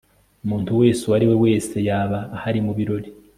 umuntu wese uwo ari we wese yari ahari mu birori